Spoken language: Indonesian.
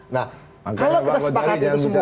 nah kalau kita sepakat dengan semua